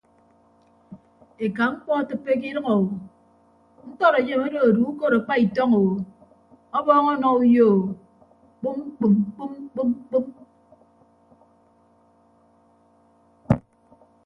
Eka mkpọ atịppe ke idʌñ o ntọd enyem odo edue ukod akpa itọñ o ọbọọñ ọnọ uyo o kpom kpom kpom kpom kpom.